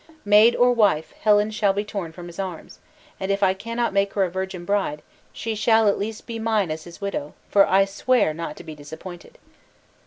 Maid, or wife, Helen shall be torn from his arms, and if I cannot make her a virgin bride, she shall at least be mine as his widow; for I swear not to be disappointed."